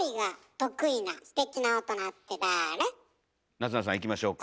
夏菜さんいきましょうか。